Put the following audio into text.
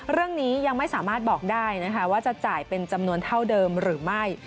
เรื่องนี้ยังไม่สามารถบอกได้นะคะว่าจะจ่ายเป็นจำนวนเท่าเดิมหรือไม่